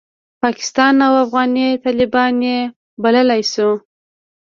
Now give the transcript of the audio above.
پاکستاني او افغاني طالبان یې بللای شو.